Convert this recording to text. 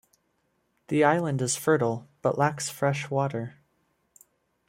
The island is fertile, but lacks fresh water.